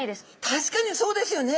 確かにそうですよね。